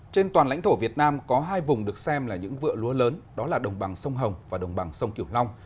trên toàn lãnh thổ việt nam có hai vùng được xem là những vựa lúa lớn đó là đồng bằng sông hồng và đồng bằng sông kiểu long